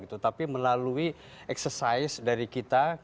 tapi melalui exercise dari kita